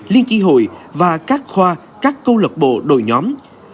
liên tri hội và các khoa các câu lạc bộ đội nhóm